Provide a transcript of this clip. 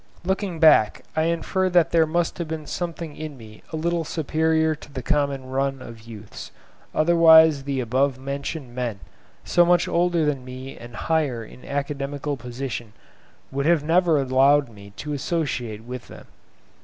Looking back, I infer that there must have been something in me a little superior to the common run of youths, otherwise the above mentioned men, so much older than me and higher in academical position, would never have allowed me to associate with them.